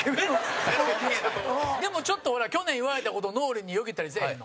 でも、ちょっと、ほら去年、言われた事脳裏によぎったりせえへんの？